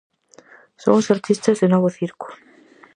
Son os artistas do novo circo.